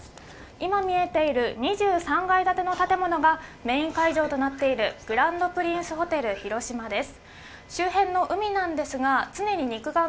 今見えている２３階建ての建物がメイン会場となっているグランドプリンスホテル広島です。